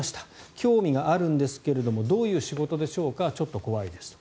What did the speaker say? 興味があるんですがどういう仕事でしょうかちょっと怖いですと。